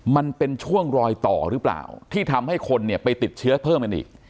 มันเป็นช่วงรอยต่อหรือเปล่าที่ทำให้คนเนี่ยไปติดเชื้อเพิ่มกันอีก